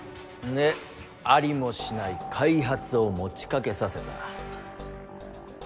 でありもしない開発を持ちかけさせた。